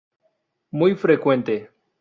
Muy frecuente.